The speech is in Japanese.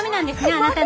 あなたの！